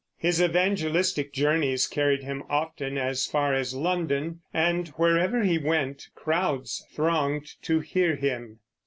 His evangelistic journeys carried him often as far as London, and wherever he went crowds thronged to hear him.